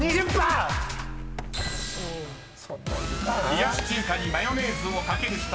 ［冷やし中華にマヨネーズを掛ける人］